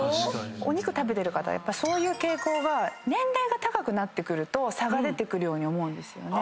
お肉食べてる方やっぱそういう傾向が年齢が高くなってくると差が出てくるように思うんですよね。